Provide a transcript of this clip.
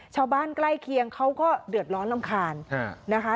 ชาวบ้านใกล้เคียงเขาก็เดือดร้อนรำคาญนะคะ